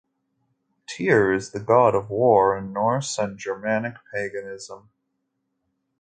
Tyr is the god of war in Norse and Germanic paganism.